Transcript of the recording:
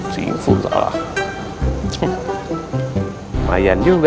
tuhan mengucapkan terima kasih kepada anda